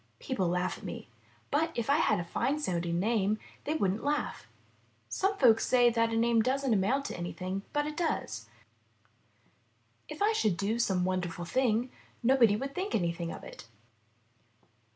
People laugh at me, but if I had a fine sounding name they wouldn't laugh. Some folks say that a name doesn't amount to any thing, but it does. If I should do some wonderful thing, nobody would think anything of it.